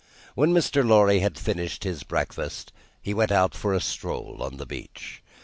When Mr. Lorry had finished his breakfast, he went out for a stroll on the beach.